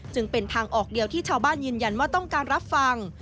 จึงเป็นทางออกเดียวที่ชาวบ้านยืนยันว่าต้องการรับฟัง